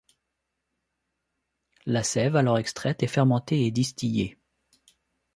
La sève alors extraite est fermentée et distillée.